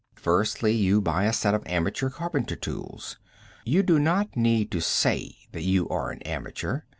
Firstly, you buy a set of amateur carpenter tools. You do not need to say that you are an amateur.